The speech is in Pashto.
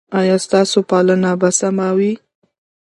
ایا ستاسو پالنه به سمه وي؟